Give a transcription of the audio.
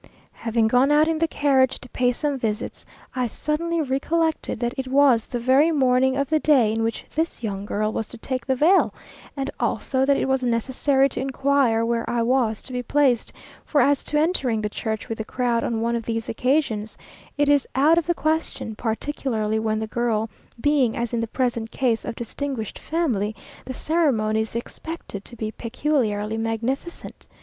Having gone out in the carriage to pay some visits, I suddenly recollected that it was the very morning of the day in which this young girl was to take the veil, and also that it was necessary to inquire where I was to be placed; for as to entering the church with the crowd on one of these occasions, it is out of the question; particularly when the girl being, as in the present case, of distinguished family, the ceremony is expected to be peculiarly magnificent.